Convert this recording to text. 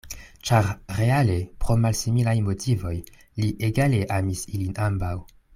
Ĉar reale, pro malsimilaj motivoj, li egale amis ilin ambaŭ.